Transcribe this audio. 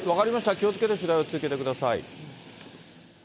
気をつけて取材を続けてください。